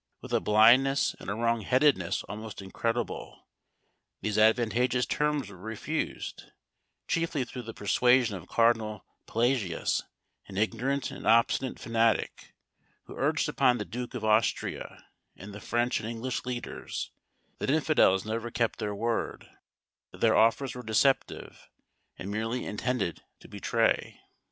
With a blindness and wrong headedness almost incredible, these advantageous terms were refused, chiefly through the persuasion of Cardinal Pelagius, an ignorant and obstinate fanatic, who urged upon the Duke of Austria and the French and English leaders, that infidels never kept their word; that their offers were deceptive, and merely intended to betray.